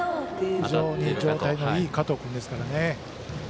非常に状態のいい加藤君ですからね。